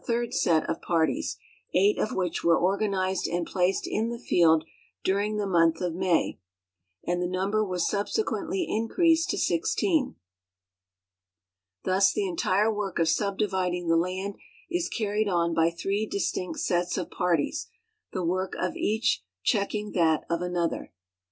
The subdivision of townships into sections was carried on by still a third set of parties, eight of which were organized and placed in the field during the month of May, and the number was subsequently increased to sixteen. Thus the entire work of subdividing the land is carried on by three distinct sets of parties, the work of each checking that of another.